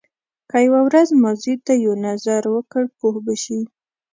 که یو ورځ ماضي ته یو نظر وکړ پوه به شې.